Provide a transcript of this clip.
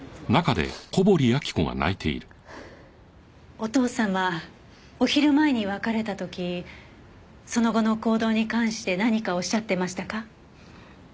お父様お昼前に別れた時その後の行動に関して何かおっしゃってましたか？